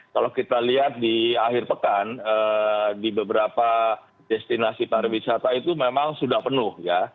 kalau kita lihat di akhir pekan di beberapa destinasi pariwisata itu memang sudah penuh ya